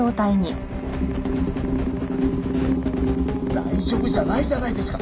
大丈夫じゃないじゃないですか！